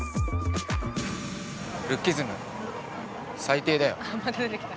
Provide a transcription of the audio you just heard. ルッキズム最低だよ。